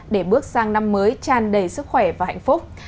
để bước sang năm mới tràn đầy sức khỏe và hạnh phúc